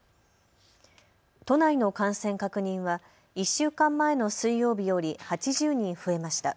都内の感染確認は１週間前の水曜日より８０人増えました。